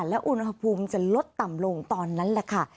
และอุณหภูมิจะลดต่ำลงตอนนั้นแหละค่ะ